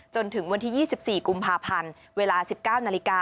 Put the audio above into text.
จนถึงวันที่๒๔กุมภาพันธ์เวลา๑๙นาฬิกา